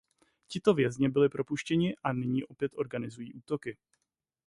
Tito vězni byli propuštěni a nyní opět organizují útoky.